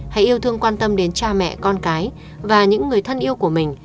hãy yêu thương quan tâm đến cha mẹ con cái và những người thân yêu của mình